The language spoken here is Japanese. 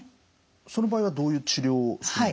その場合はどういう治療をするんですか？